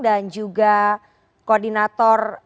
dan juga koordinator